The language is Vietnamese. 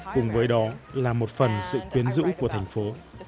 cùng với đó là một phần sự quyến rũ của thành phố